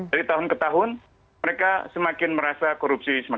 dari tahun ke tahun mereka semakin merasa korupsi